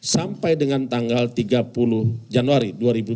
sampai dengan tanggal tiga puluh januari dua ribu dua puluh